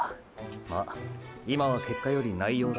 まあ今は結果より内容だ。